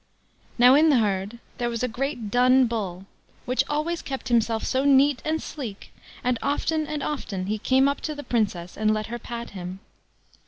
Now in the herd there was a great dun bull, which always kept himself so neat and sleek, and often and often he came up to the Princess, and let her pat him.